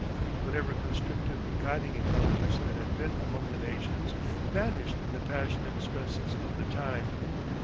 Whatever constructive guiding intelligence there had been among the nations vanished in the passionate stresses of the time.